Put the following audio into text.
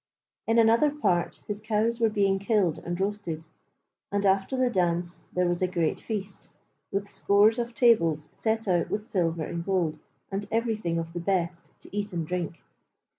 In another part his cows were being killed and roasted, and after the dance there was a great feast, with scores of tables set out with silver and gold and everything of the best to eat and drink.